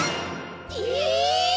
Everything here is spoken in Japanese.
え！